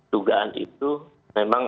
dugaan itu memang